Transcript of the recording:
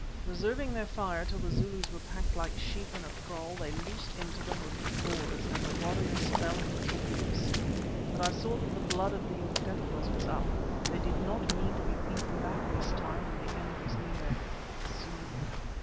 Reserving their fire till the Zulus were packed like sheep in a kraal, they loosed into them with the roers, and the warriors fell in little heaps. But I saw that the blood of the Umtetwas was up; they did not mean to be beaten back this time, and the end was near. See!